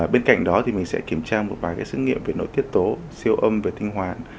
bên cạnh đó thì mình sẽ kiểm tra một vài cái xét nghiệm về nội tiết tố siêu âm về tinh hoàn